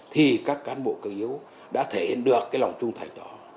thì các cán bộ cơ yếu đã thể hiện được lòng trung thải đó